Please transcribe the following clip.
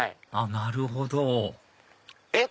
なるほどえっ？